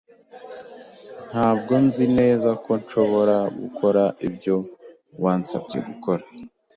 Ntabwo nzi neza ko nshobora gukora ibyo wansabye gukora.